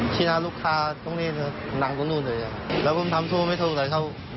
ชี้หน้าลูกค้าภอมที่นั่งตรงนู้นเลยครับ